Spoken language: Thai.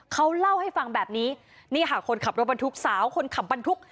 เขาเล่าให้ฟังแบบนี้นี่ค่ะคนขับรถบรรทุกสาวคนขับบรรทุก